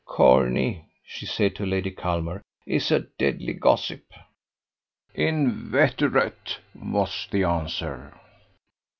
"Corney," she said to Lady Culmer, "is a deadly gossip." "Inveterate," was the answer.